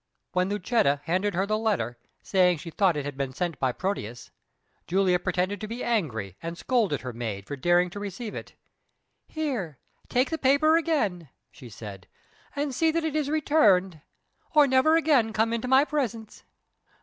When Lucetta handed her the letter, saying she thought it had been sent by Proteus, Julia pretended to be angry, and scolded her maid for daring to receive it. "There, take the paper again," she said, "and see that it is returned, or never again come into my presence."